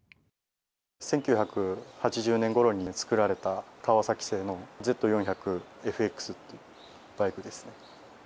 １９８０年ごろに作られたカワサキ製のＺ４００ＦＸっていうバイクですね。